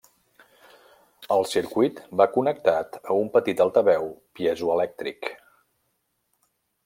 El circuit va connectat a un petit altaveu piezoelèctric.